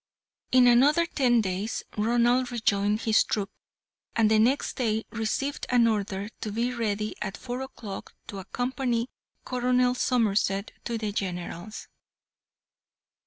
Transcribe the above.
In another ten days Ronald rejoined his troop, and the next day received an order to be ready at four o'clock to accompany Colonel Somerset to the General's.